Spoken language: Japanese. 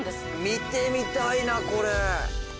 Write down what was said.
見てみたいなこれ。